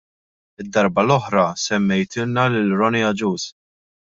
Id-darba l-oħra semmejtilna lil Ronnie Agius.